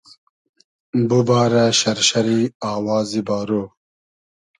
بوبارۂ شئرشئری آوازی بارۉ